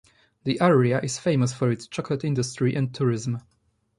The area is famous for its chocolate industry and tourism.